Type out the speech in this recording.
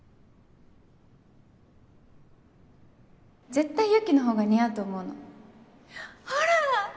絶対雪の方が似合うと思うのほら！